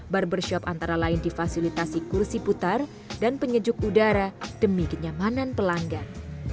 barbershop antara lain difasilitasi kursi putar dan penyejuk udara demi kenyamanan pelanggan